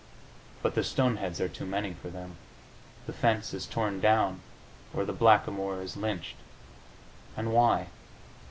But the stoneheads are too many for them; the fence is torn down or the blackamoor is lynched. And why?